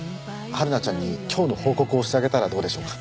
春菜ちゃんに今日の報告をしてあげたらどうでしょうか？